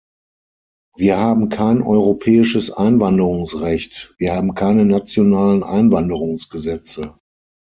Wir haben kein europäisches Einwanderungsrecht, wir haben keine nationalen Einwanderungsgesetze.